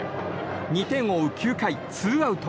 ２点を追う９回ツーアウト。